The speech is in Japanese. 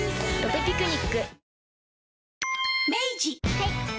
はい。